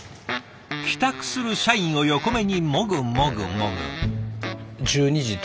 帰宅する社員を横目にもぐもぐもぐ。